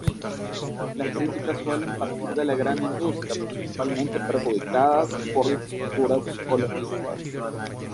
Las críticas suelen partir de la gran industria, principal perjudicada por las posturas ecologistas.